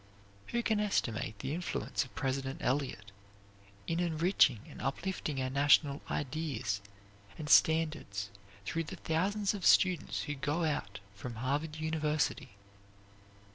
Who can estimate the influence of President Eliot in enriching and uplifting our national ideas and standards through the thousands of students who go out from Harvard University?